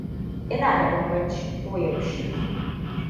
Ina da banbanci ko yaushe.